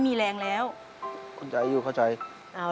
เปลี่ยนเพลงเก่งของคุณและข้ามผิดได้๑คำ